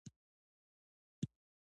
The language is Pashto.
افغانستان د پوهې او رڼا په لور روان دی.